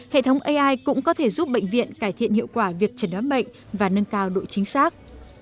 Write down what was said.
hệ thống ai cũng có thể giúp bệnh viện cải thiện hiệu quả việc trần đoán bệnh và nâng cao độ chính xác